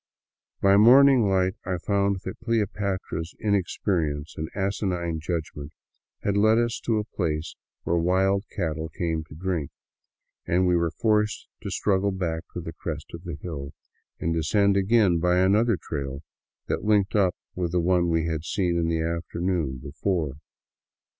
By morning light I found that " Cleopatra's " inexperience and asinine judgment had led us to a place where wild cattle came to drink, and we were forced to struggle back to the crest of the hill, and descend again by another trail that linked up with the one we had seen the after noon before.